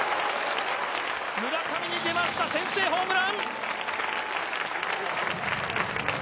村上に出ました、先制ホームラン。